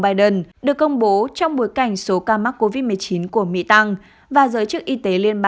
biden được công bố trong bối cảnh số ca mắc covid một mươi chín của mỹ tăng và giới chức y tế liên bang